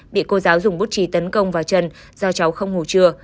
bị cô giáo dùng bút trì tấn công vào chân do cháu không ngủ trưa